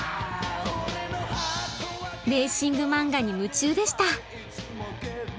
レーシング漫画に夢中でした。